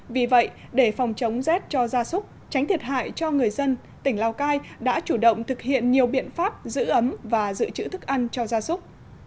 vì vậy để phòng chống rét cho gia súc tránh thiệt hại cho người dân tỉnh lào cai đã chủ động thực hiện nhiều biện pháp giữ ấm và giữ chữ thức ăn cho gia súc